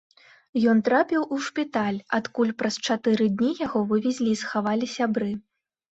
Ён трапіў у шпіталь, адкуль праз чатыры дні яго вывезлі і схавалі сябры.